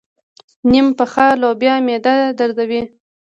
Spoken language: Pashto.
نيم پخه لوبیا معده دردوي.